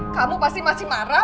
kamu pasti masih marah